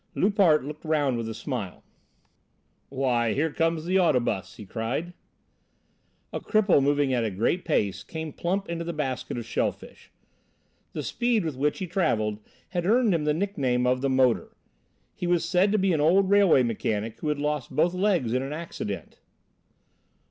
Loupart looked round with a smile. "Why here comes the auto bus," he cried. A cripple moving at a great pace came plump into the basket of shell fish. The speed with which he travelled had earned him the nickname of the Motor. He was said to be an old railway mechanic, who had lost both legs in an accident.